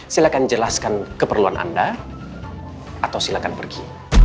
silahkan jelaskan keperluan anda atau silakan pergi